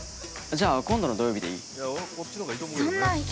じゃあ、今度の土曜日でいい？